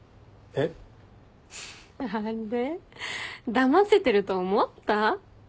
だませてると思った？